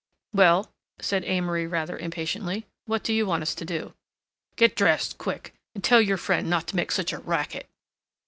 "Well," said Amory rather impatiently, "what do you want us to do?" "Get dressed, quick—and tell your friend not to make such a racket."